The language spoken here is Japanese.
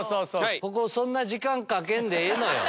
ここそんな時間かけんでええのよ。